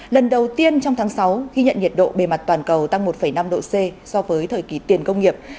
lần đầu tiên trong tháng sáu ghi nhận nhiệt độ bề mặt toàn cầu tăng một năm độ c so với thời kỳ tiền công nghiệp